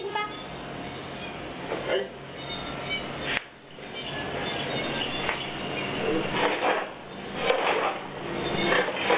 หมายถูกหมดเลย